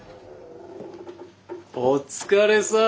お疲れさん。